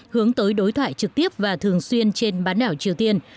hướng tới đối thoại trực tiếp và thường xuyên trên bán đảo triều tiên